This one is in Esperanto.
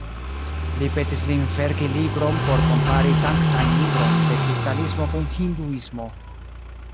Li petis lin verki libron por kompari sanktajn librojn de kristanismo kun hinduismo.